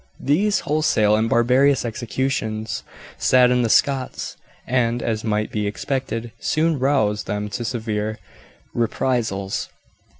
These wholesale and barbarous executions saddened the Scots, and, as might be expected, soon roused them to severe reprisals.